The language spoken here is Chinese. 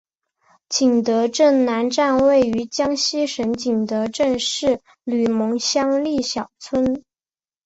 景德镇南站位于江西省景德镇市吕蒙乡历尧村。